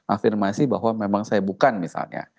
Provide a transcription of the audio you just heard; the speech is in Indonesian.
afirmasi bahwa memang saya bukan misalnya